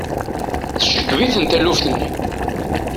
Tceggeb-iten taluft-nni.